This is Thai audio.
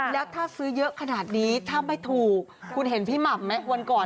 แล้วถ้าซื้อเยอะขนาดนี้ถ้าไม่ถูกคุณเห็นพี่หม่ำไหมวันก่อน